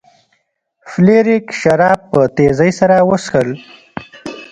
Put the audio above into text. فلیریک شراب په تیزۍ سره وڅښل.